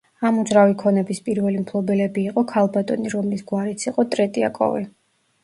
ამ უძრავი ქონების პირველი მფლობელები იყო ქალბატონი, რომლის გვარიც იყო ტრეტიაკოვი.